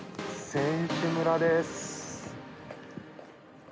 選手村です。